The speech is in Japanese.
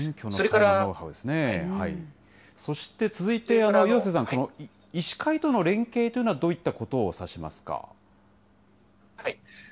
そして続いて、岩瀬さん、医師会との連携というのはどういったことを指しますか？